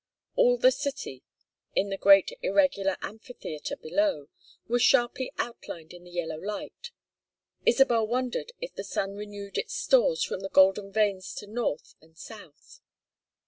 All the city, in the great irregular amphitheatre below, was sharply outlined in the yellow light; Isabel wondered if the sun renewed its stores from the golden veins to north and south.